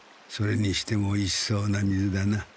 それにしてもおいしそうな水だな。